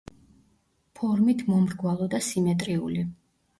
ფორმით მომრგვალო და სიმეტრიული.